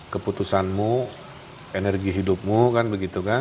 keputusanmu energi hidupmu